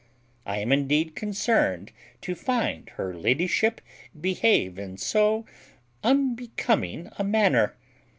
I am indeed concerned to find her ladyship behave in so unbecoming a manner.